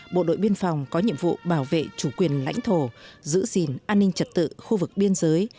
bộ đội biên phòng có nhiệm vụ bảo vệ chủ quyền lãnh thổ giữ gìn an ninh trật tự khu vực biên giới